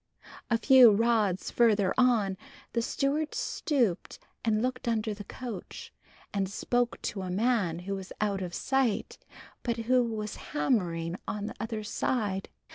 A few rods further on, the steward stooped and looked under the coach, and spoke to a man who was out of sight, but who was hammering on the other side.